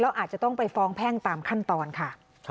อาจจะต้องไปฟ้องแพ่งตามขั้นตอนค่ะ